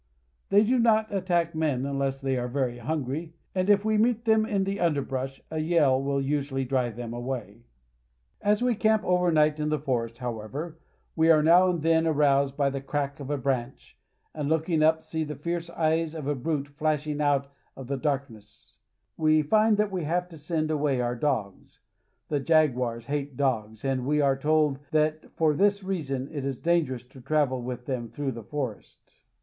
They do not attack men unless they are very hungry, and if we meet them in the underbrush a yell will usually drive them away. As we camp overnight in the forest, however, we are now and then aroused by the crack of a branch, and, look ing up, see the fierce eyes of a brute flashing out of the 240 PARAGUAY. darkness. We find we have to send away our dogs. The jaguars hate dogs, and we are told that for this reason it is dangerous to travel with them through the forest.